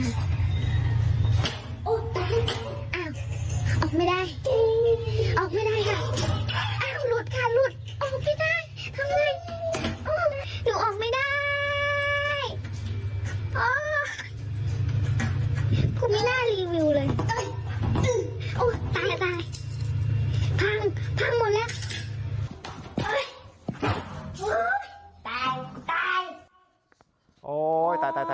อ้าวออกไม่ได้ออกไม่ได้ค่ะ